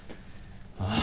ああ？